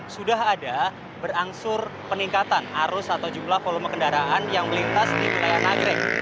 sudah ada berangsur peningkatan arus atau jumlah volume kendaraan yang melintas di wilayah nagrek